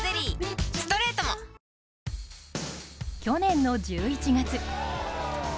去年の１１月。